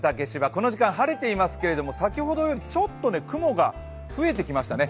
この時間晴れていますけど、先ほどよりちょっと雲が増えてきましたね。